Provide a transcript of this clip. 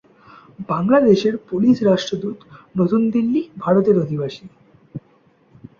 বাংলাদেশের পোলিশ রাষ্ট্রদূত নতুন দিল্লি, ভারত এর অধিবাসী।